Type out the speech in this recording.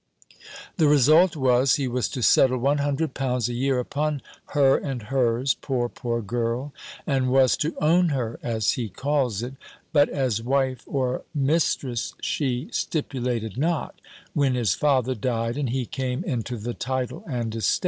The result was, he was to settle one hundred pounds a year upon her and hers, poor, poor girl and was to own her, as he calls it (but as wife or mistress, she stipulated not), when his father died, and he came into the title and estate.